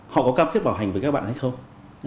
họ có cam kết bảo hành với các bạn hay không